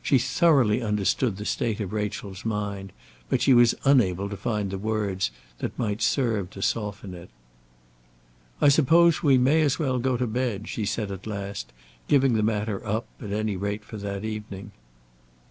She thoroughly understood the state of Rachel's mind, but she was unable to find the words that might serve to soften it. "I suppose we may as well go to bed," she said at last, giving the matter up, at any rate for that evening.